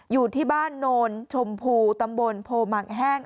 อยู่ที่บ้านโนนชมพูตำบลโพหมักแห้ง